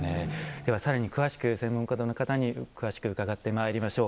ではさらに詳しく専門家の方に詳しく伺ってまいりましょう。